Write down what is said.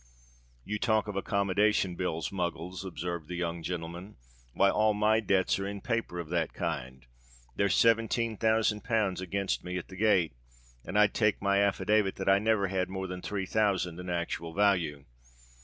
"You talk of accommodation bills, Muggles," observed the young gentleman; "why, all my debts are in paper of that kind. There's seventeen thousand pounds against me at the gate; and I'd take my affidavit that I never had more than three thousand in actual value.